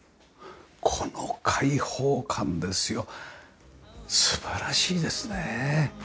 この開放感ですよ。素晴らしいですね。